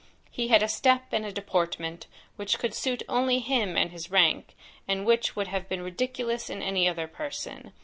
He had a step and a deportment, which could suit only him and his rank, and which would have been ridiculous in any other person.